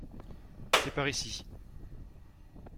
C’est par ici.